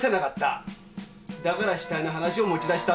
だから死体の話を持ち出した。